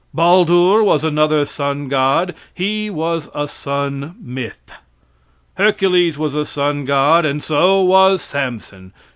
Baldur was another sun god; he was a sun myth. Hercules was a sun god, and so was Samson.